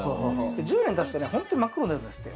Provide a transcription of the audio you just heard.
１０年経つと本当に真っ黒になるんですって。